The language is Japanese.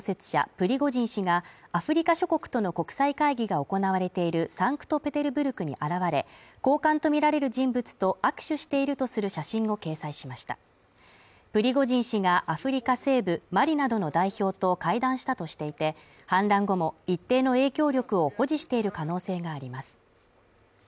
プリゴジン氏がアフリカ諸国との国際会議が行われているサンクトペテルブルクに現れ高官とみられる人物と握手しているとする写真を掲載しましたプリゴジン氏がアフリカ西部マリなどの代表と会談したとしていて反乱後も一定の影響力を保持している可能性があります